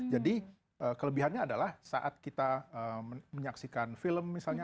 jadi kelebihannya adalah saat kita menyaksikan film misalnya